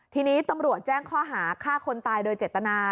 ทีนี้ตำรวจแจ้งข้อหาฆ่าคนตายโดยเจตนา